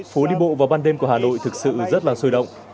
phố đi bộ vào ban đêm của hà nội thực sự rất là sôi động